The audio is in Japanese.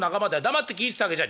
黙って聞いてたわけじゃ」。